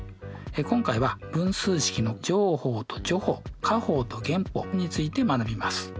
今回は分数式の乗法と除法加法と減法について学びます。